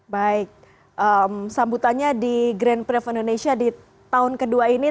baik sambutannya di grand prix indonesia di tahun kedua ini